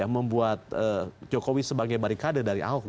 membuat jokowi sebagai berpengaruh